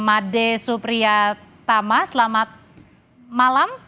made supriya tama selamat malam